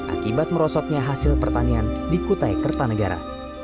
akibat merosotnya hasil pertanian di kutai kertanegara